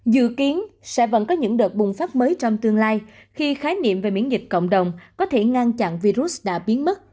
dự kiến sẽ vẫn có những đợt bùng phát mới trong tương lai khi khái niệm về miễn dịch cộng đồng có thể ngăn chặn virus đã biến mất